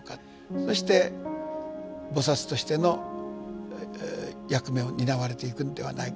そして菩薩としての役目を担われていくんではないかと。